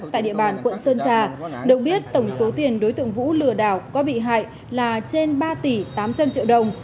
tại địa bàn quận sơn trà được biết tổng số tiền đối tượng vụ lừa đào có bị hại là trên ba tỷ tám trăm linh triệu đồng